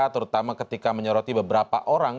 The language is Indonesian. terutama ketika menyoroti beberapa orang